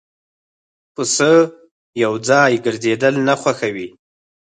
پسه یواځی ګرځېدل نه خوښوي.